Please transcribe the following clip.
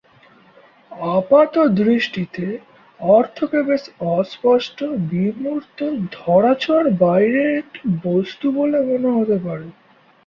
আপাতদৃষ্টিতে অর্থকে বেশ অস্পষ্ট, বিমূর্ত, ধরা-ছোঁয়ার বাইরের একটি বস্তু বলে মনে হতে পারে।